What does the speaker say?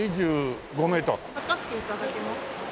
計って頂けますか？